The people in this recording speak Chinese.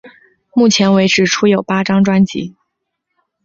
目前为止出有八张专辑。